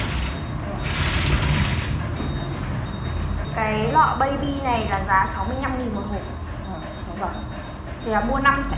cái lọ baby này là giá sáu mươi năm đồng một hộp